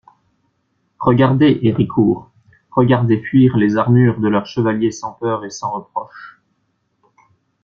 Regardez Héricourt, regardez fuir les armures de leurs chevaliers sans peur et sans reproche!